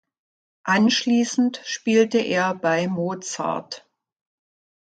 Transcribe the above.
Anschließend spielte er bei "Mozart!